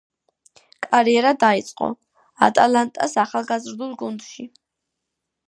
კარიერა დაიწყო „ატალანტას“ ახალგაზრდულ გუნდში.